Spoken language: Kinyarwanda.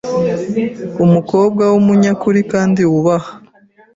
Umukobwa w’umunyakuri kandi wubaha